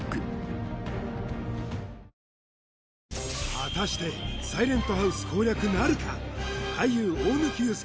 果たしてサイレントハウス攻略なるか？